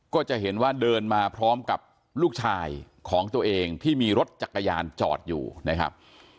ก็จะเห็นว่าเดินมาพร้อมกับลูกชายของตัวเองที่มีรถจักรยานจอดอยู่นะครับ